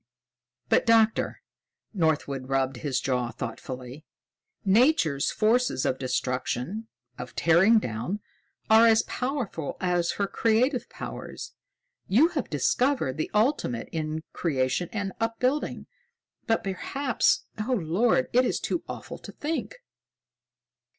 "But Doctor," Northwood rubbed his jaw thoughtfully, "Nature's forces of destruction, of tearing down, are as powerful as her creative powers. You have discovered the ultimate in creation and upbuilding. But perhaps oh, Lord, it is too awful to think!"